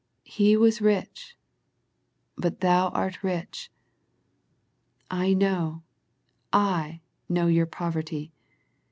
" He was rich," " but thou art rich." " I know, / know your poverty.